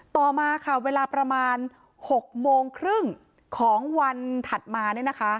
ต่อมาค่ะเวลาประมาณ๖โมงครึ่งของวันถัดมาเนี่ยนะคะ